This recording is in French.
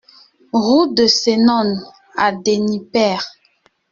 Route de Senones à Denipaire